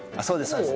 そうです